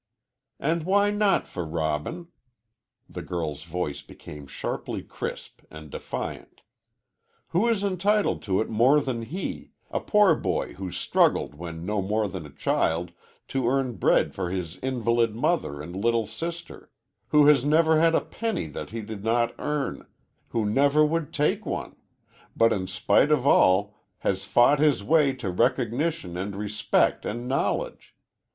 "And why not for Robin?" The girl's voice became sharply crisp and defiant. "Who is entitled to it more than he a poor boy who struggled when no more than a child to earn bread for his invalid mother and little sister; who has never had a penny that he did not earn; who never would take one, but in spite of all has fought his way to recognition and respect and knowledge?